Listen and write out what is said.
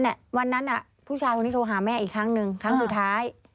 นั่นแหละวันนั้นอ่ะผู้ชายตรงนี้โทรหาแม่อีกครั้งนึงครั้งสุดท้าย